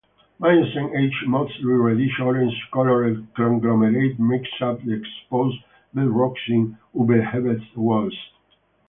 Miocene-aged mostly reddish orange-colored conglomerate makes up the exposed bedrock in Ubehebe's walls.